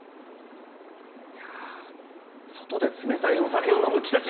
外で冷たいお酒を飲む季節じ